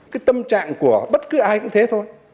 cái tâm trạng của bất cứ ai cũng thế thôi